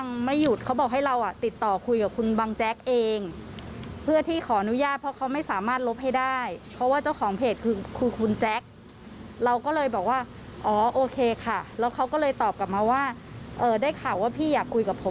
ผมบำแจ็กเองเขาก็ผิมอย่างงี้แล้วเราก็ไม่ได้ตอบ